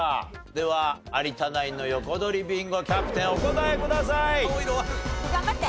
では有田ナインの横取りビンゴキャプテンお答えください。頑張って。